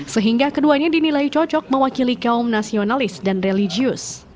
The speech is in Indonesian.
sehingga keduanya dinilai cocok mewakili kaum nasionalis dan religius